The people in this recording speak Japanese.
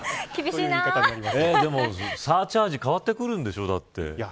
でも、サーチャージ変わってくるんでしょう。